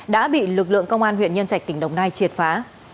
đã bị lực lượng công an huyện nhân trạch tỉnh đồng nai triệt phá